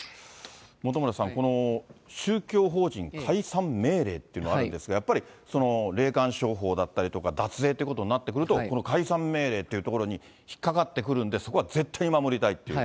本村さん、この宗教法人解散命令っていうのあるんですが、やっぱり霊感商法だったり、脱税ということになってくると、この解散命令というところに引っ掛かってくるんで、そこは絶対守りたいという。